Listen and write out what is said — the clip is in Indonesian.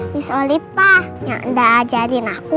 miss olipah yang udah ajarin aku